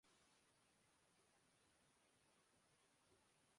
اسلام اباد اسحاق ڈار کی کینیڈین سرمایہ کاروں کو سرمایہ کاری کی دعوت